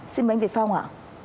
xin mời anh việt phong ạ